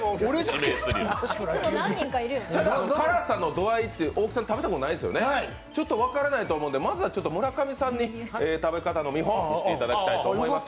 辛さの度合いって、大木さん食べたことないですよね、ちょっと分からないと思うのでまずは村上さんに食べ方の見本見せていただきたいと思います。